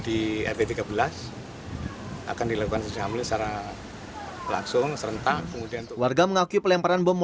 di rt tiga belas akan dilakukan secara langsung serentak kemudian warga mengakui pelemparan bom